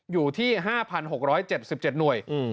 อยู่ที่ห้าพันหกร้อยเจ็บสิบเจ็บหน่วย